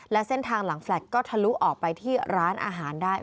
และเส้นทางหลังแฟลตก็ทะลุออกไปที่ร้านอาหารได้